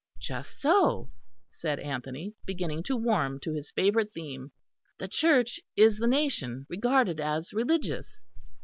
"Just so," said Anthony, beginning to warm to his favourite theme. "The Church is the nation regarded as religious.